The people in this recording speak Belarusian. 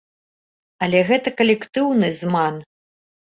Але гэта калектыўны зман.